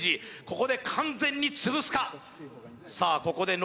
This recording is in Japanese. ここで完全に潰すか？